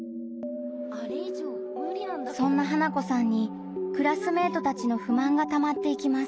そんな花子さんにクラスメートたちの不満がたまっていきます。